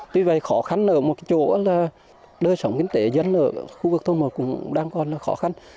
tuy vậy khó khăn ở một chỗ là đời sống kinh tế dân ở khu vực thôn mà cũng đang còn là khó khăn